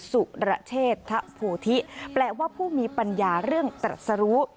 สุรเชษทะโพธิแปลว่าผู้มีปัญญาเรื่องตรัสรู้